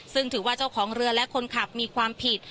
ซึ่งถือว่าเจ้าของเรือและคนขับมีความผิด